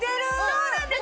そうなんです！